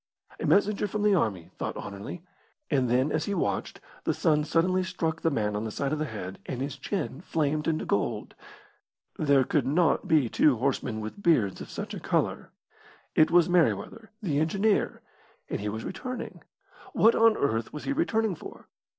A messenger from the army, thought Anerley; and then, as he watched, the sun suddenly struck the man on the side of the head, and his chin flamed into gold. There could not be two horsemen with beards of such a colour. It was Merryweather, the engineer, and he was returning. What on earth was he returning for?